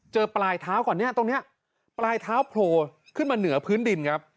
ปลายเท้าก่อนเนี่ยตรงนี้ปลายเท้าโผล่ขึ้นมาเหนือพื้นดินครับ